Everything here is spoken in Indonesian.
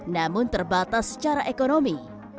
namun terbatas secara ekonomi